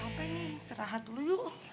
mama capek nih serahan dulu yuk